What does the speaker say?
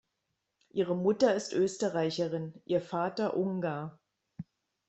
Ihre Mutter ist Österreicherin, ihr Vater Ungar.